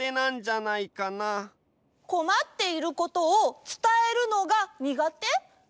こまっていることを伝えるのがにがて？